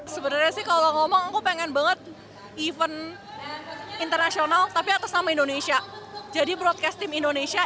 sebenarnya sih kalau ngomong aku pengen banget event internasional tapi atas nama indonesia